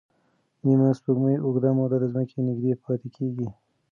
نیمه سپوږمۍ اوږده موده د ځمکې نږدې پاتې کېږي.